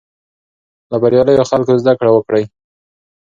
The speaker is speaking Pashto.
له بریالیو خلکو زده کړه وکړئ.